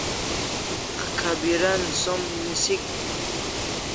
Akhabiran som nisik